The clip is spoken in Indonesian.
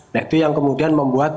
nah itu yang kemudian membuat